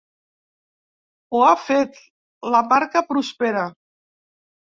Ho ha fet: la marca prospera.